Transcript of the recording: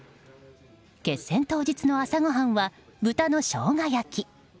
決戦当日の朝ごはんは豚のしょうが焼き。